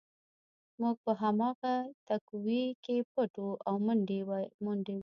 موږ په هماغه تهکوي کې پټ وو او منډې وې